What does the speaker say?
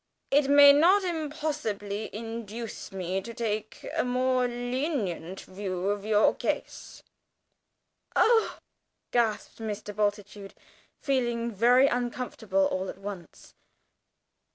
It may not impossibly induce me to take a more lenient view of your case." "Oh!" gasped Mr. Bultitude, feeling very uncomfortable all at once.